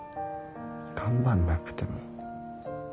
頑張んなくても。